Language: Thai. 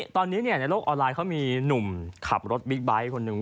ตอนนี้ในโลกออนไลน์เขามีหนุ่มขับรถบิ๊กไบท์คนหนึ่ง